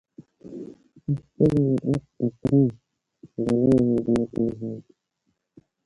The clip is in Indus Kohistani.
اَس تیلہ نہ ایک قطرہ گلَیں ہِن دڑ کم ہوتھی۔